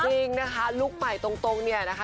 จริงนะคะลุคใหม่ตรงเนี่ยนะคะ